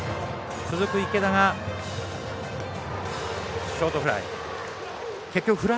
続く池田がショートフライ。